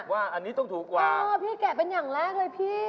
ว่าอันนี้ต้องถูกกว่าพี่แกะเป็นอย่างแรกเลยพี่